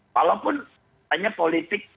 walaupun hanya politik